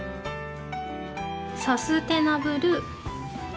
サステイナブル。